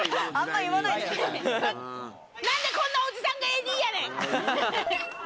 なんでこんなおじさんがＡＤやねん！